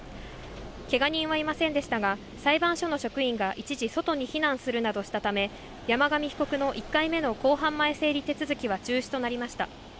けが人はいませんでしたが、裁判所の職員が一時外に避難するなどしたため、山上被告の１回目の公判前整理手続きは中止となりました。